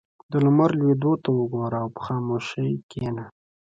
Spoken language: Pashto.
• د لمر لوېدو ته وګوره او په خاموشۍ کښېنه.